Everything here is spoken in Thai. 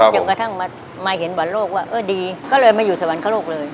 จนกระทั่งมาเห็นบอลโลกว่าเออดีก็เลยมาอยู่สวรรคโลกเลย